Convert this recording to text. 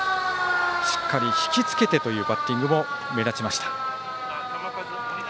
しっかり引き付けてというバッティングも目立ちました。